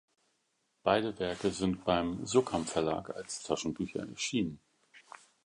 Beide Werke sind beim Suhrkamp-Verlag als Taschenbücher erschienen.